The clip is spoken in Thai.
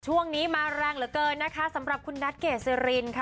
ช่วงนี้มาแรงเหลือเกินนะคะสำหรับคุณนัทเกซิรินค่ะ